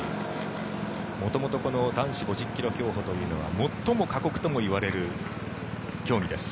元々男子５０ｋｍ競歩というのは最も過酷ともいわれる競技です。